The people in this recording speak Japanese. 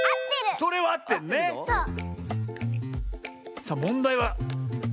さあもんだいは。